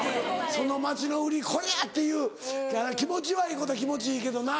その町の売りこれ！っていう気持ちはいいことは気持ちいいけどな。